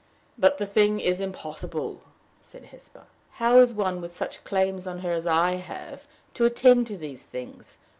"But the thing is impossible," said Hesper. "How is one with such claims on her as I have, to attend to these things?